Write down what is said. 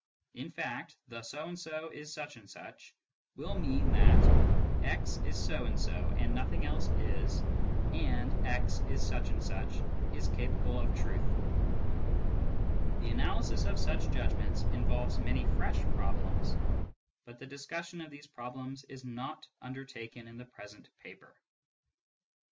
In fact, " the so and so is such and such " will mean that " x is so and so and nothing else is, and x is such and such " is capable of truth. The analysis of such judgments involves many fresh problems, but the discussion of these problems is not undertaken in the present paper.